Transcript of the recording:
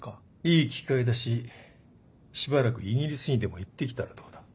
いい機会だししばらくイギリスにでも行って来たらどうだ？